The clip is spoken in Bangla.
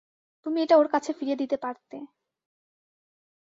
তুমি এটা ওর কাছে ফিরিয়ে দিতে পারতে।